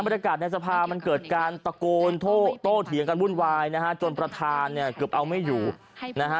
กาศในสภามันเกิดการตะโกนโตเถียงกันวุ่นวายนะฮะจนประธานเนี่ยเกือบเอาไม่อยู่นะฮะ